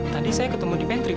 tadi saya ketemu di pantry pak